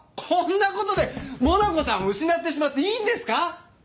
こんなことでモナコさんを失ってしまっていいんですか？